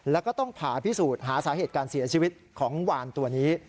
แล้วก็ต้องผ่าพิสูจน์หาสาเหตุการเสียชีวิตของวานตัวนี้